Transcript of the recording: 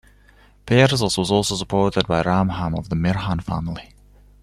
Peroz was also supported by Raham of the Mihran family.